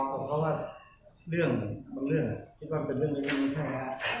บอกว่าเรื่องบางเรื่องคิดว่าเป็นเรื่องแบบนี้แหละ